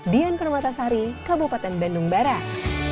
dian permatasari kabupaten bandung barat